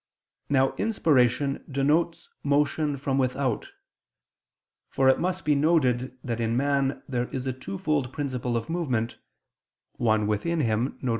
Now inspiration denotes motion from without. For it must be noted that in man there is a twofold principle of movement, one within him, viz.